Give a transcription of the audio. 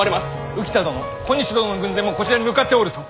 宇喜多殿小西殿の軍勢もこちらに向かっておると！